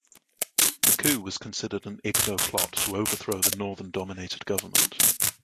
The coup was considered an Igbo plot to overthrow the northern dominated government.